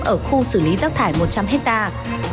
ở khu xử lý rác thải một trăm linh hectare